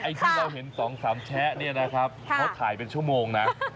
ที่เราเห็น๒๓แชะเนี่ยนะครับเขาถ่ายเป็นชั่วโมงนะ